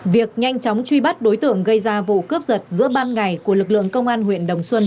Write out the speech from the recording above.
việc nhanh chóng truy bắt đối tượng gây ra vụ cướp giật giữa ban ngày của lực lượng công an huyện đồng xuân